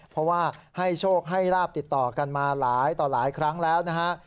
เพราะว่าให้โชคให้ลาบติดต่อกันมาหลายต่อหลายครั้งแล้วนะฮะ